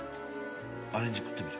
アレンジ食ってみる？